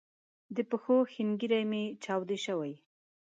د پښو ښنګري می چاودی شوي